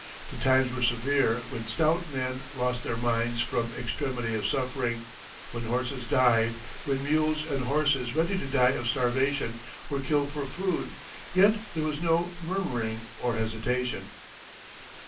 The times were severe when stout men lost their minds from extremity of suffering, when horses died, when mules and horses ready to die of starvation were killed for food, yet there was no murmuring or hesitation."